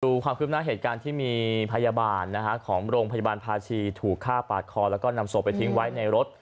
ความคืบหน้าเหตุการณ์ที่มีพยาบาลของโรงพยาบาลภาชีถูกฆ่าปาดคอแล้วก็นำศพไปทิ้งไว้ในรถ